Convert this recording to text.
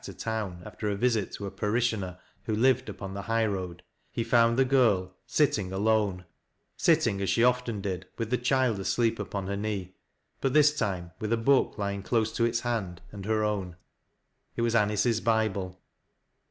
to town, aftei a visit to a parishioner who lived upon the high rcad, he found the girl sitting alone — sitting as she oftea did, with the cliild asleep upon her knee ; but this time with a book vjiiig close to its hand and her own. It was Anice'a I'.ible.